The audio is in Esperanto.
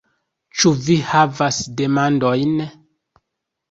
Ĉu vi havas demandojn?